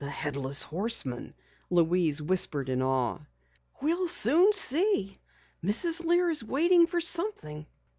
"The Headless Horseman!" Louise whispered in awe. "We'll soon see. Mrs. Lear is waiting for something!"